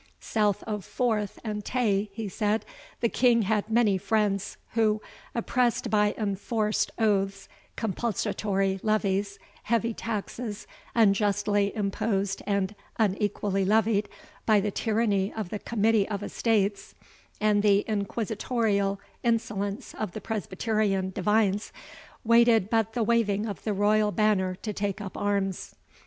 South of Forth and Tay," he said, "the King had many friends, who, oppressed by enforced oaths, compulsatory levies, heavy taxes, unjustly imposed and unequally levied, by the tyranny of the Committee of Estates, and the inquisitorial insolence of the Presbyterian divines, waited but the waving of the royal banner to take up arms.